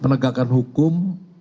melakukan penegakan hukum